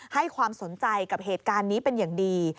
ให้ความสนใจกับเหตุการณ์นี้เป็นอย่างดี